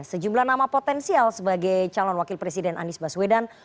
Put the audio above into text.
sejumlah nama potensial sebagai calon wakil presiden anies baswedan